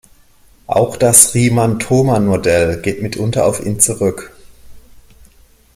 Auch das Riemann-Thomann-Modell geht mitunter auf ihn zurück.